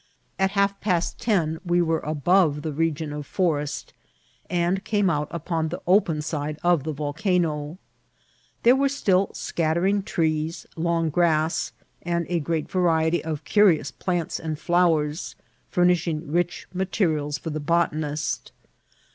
At half past ten we were above the region of forest, and came out upon the open side of the volcano. There were still scattering trees, long grass, and a great variety of cu« rious plants and flowers, furnishing rich materials for the botanist.